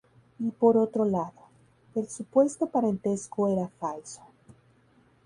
Y por otro lado, el supuesto parentesco era falso.